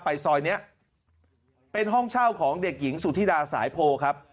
ซอยนี้เป็นห้องเช่าของเด็กหญิงสุธิดาสายโพครับ